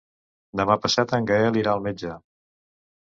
Demà passat en Gaël irà al metge.